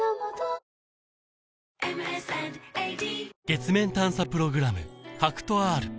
月面探査プログラム